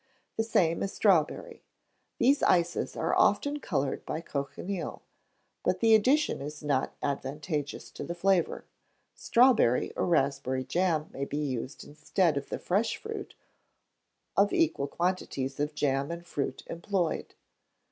The same as strawberry. These ices are often coloured by cochineal, but the addition is not advantageous to the flavour. Strawberry or raspberry jam may be used instead of the fresh fruit, or equal quantities of jam and fruit employed.